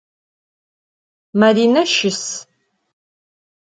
Marine şıs.